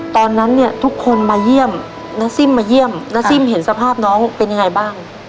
ตอนนั้นเนี่ยทุกคนมาเยี่ยมน้าซิ่มมาเยี่ยมน้าซิ่มเห็นสภาพน้องเป็นยังไงบ้าง